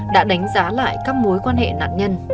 đã đánh giá lại các mối quan hệ nạn nhân